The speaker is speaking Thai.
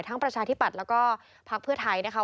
ทั้งประชาธิบัติแล้วก็ภาคเพื่อไทยนะคะ